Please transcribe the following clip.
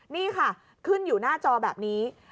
นี่ค่ะขึ้นอยู่หน้าจอแบบนี้